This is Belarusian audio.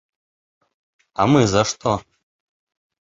А мы за што?